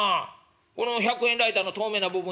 この１００円ライターの透明な部分やろ？